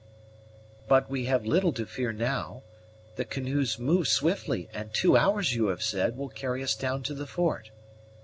"But we have little to fear now. The canoes move swiftly, and two hours, you have said, will carry us down to the fort."